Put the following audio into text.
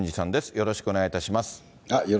よろしくお願いします。